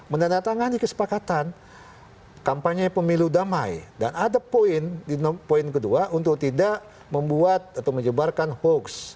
menandatangani kesepakatan kampanye pemilu damai dan ada poin kedua untuk tidak membuat atau menyebarkan hoax